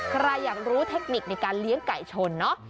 ใครอยากรู้เทคนิคในการเลี้ยงไก่ชนเนาะ